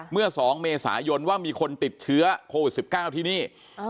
เมื่อ๒เมษายนว่ามีคนติดเชื้อโควิด๑๙ที่นี่